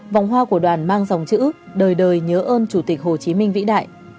vòng hoa của đoàn mang dòng chữ đời đời nhớ ơn chủ tịch hồ chí minh vĩ đại